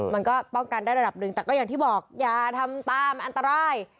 มันก็ป้องกันได้ระดับหนึ่งแต่ก็อย่างที่บอกอย่าทำตามอันตราย